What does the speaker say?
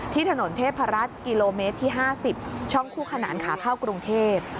ถนนเทพรัฐกิโลเมตรที่๕๐ช่องคู่ขนานขาเข้ากรุงเทพ